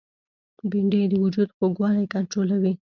بېنډۍ د وجود خوږوالی کنټرولوي